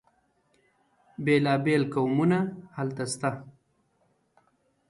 بیلا بیل قومونه هلته شته.